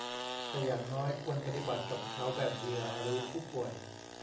แต่อย่างน้อยควรปฏิบัติกับเขาแบบเหยื่อหรือผู้ป่วย